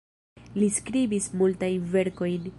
Li skribis multajn verkojn.